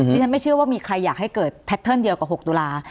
ฉันไม่เชื่อว่ามีใครอยากให้เกิดแพทเทิร์นเดียวกับ๖ตุลา